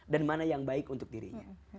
dan mana yang baik untuk dirinya